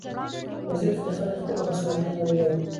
وزیرفتح خان د خپلو هڅو مسؤلیت منلی و.